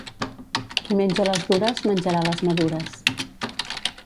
Qui menja les dures, menjarà les madures.